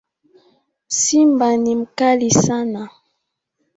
Simba ni mkali sana